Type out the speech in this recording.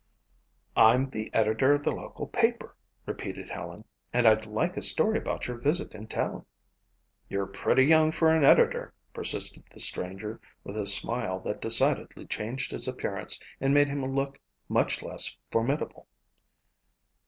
"I'm the editor of the local paper," repeated Helen, "and I'd like a story about your visit in town." "You're pretty young for an editor," persisted the stranger, with a smile that decidedly changed his appearance and made him look much less formidable.